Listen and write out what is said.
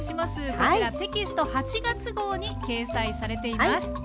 こちらテキスト８月号に掲載されています。